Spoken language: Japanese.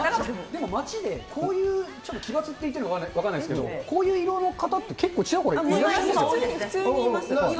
でも街で、こういうちょっときばつって言っていいのか分からないですけど、こういう色の方って結構ちらほらいらっしゃいます。